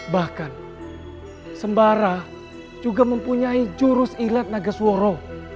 bahkan sembara juga mempunyai jurus ilat naga suoro